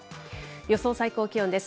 予想最高気温です。